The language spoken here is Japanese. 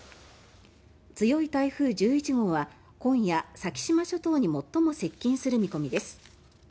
強い台風１１号は今夜、先島諸島に最も接近する見込みです。